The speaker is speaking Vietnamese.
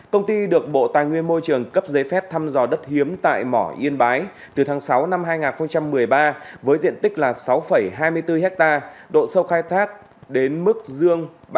công ty được bộ tài nguyên môi trường cấp giấy phép thăm dò đất hiếm tại mỏ yên bái từ tháng sáu năm hai nghìn một mươi ba với diện tích là sáu hai mươi bốn hectare độ sâu khai thác đến mức dương ba mươi